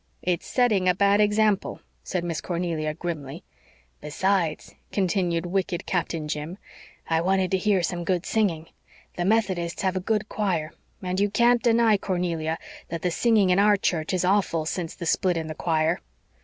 "It's setting a bad example," said Miss Cornelia grimly. "Besides," continued wicked Captain Jim, "I wanted to hear some good singing. The Methodists have a good choir; and you can't deny, Cornelia, that the singing in our church is awful since the split in the choir."